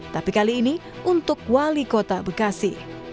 tapi kali ini untuk wali kota bekasi